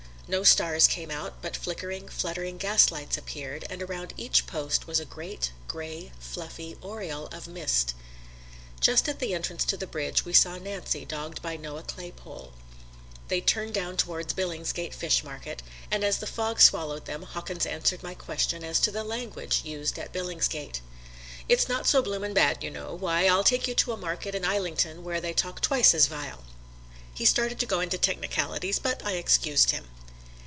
No stars came out, but flickering, fluttering gaslights appeared, and around each post was a great, gray, fluffy aureole of mist. Just at the entrance to the bridge we saw Nancy dogged by Noah Claypole. They turned down towards Billingsgate Fish Market, and as the fog swallowed them, Hawkins answered my question as to the language used at Billingsgate. "It's not so bloomin' bad, you know; why, I'll take you to a market in Islington where they talk twice as vile." He started to go into technicalities, but I excused him.